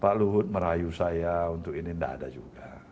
pak luhut merayu saya untuk ini tidak ada juga